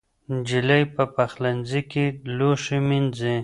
نجلۍ په پخلنځي کې لوښي مینځي.